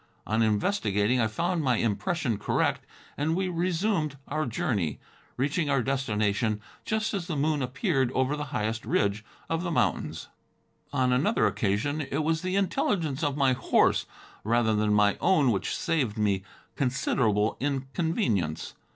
On investigating I found my impression correct, and we resumed our journey, reaching our destination just as the moon appeared over the highest ridge of the mountains. On another occasion it was the intelligence of my horse rather than my own which saved me considerable inconvenience.